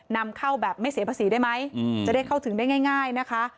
นำเข้าแบบไม่เสียภาษีได้ไหมจะได้เข้าถึงได้ง่ายนะคะ